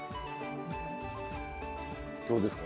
どうですか？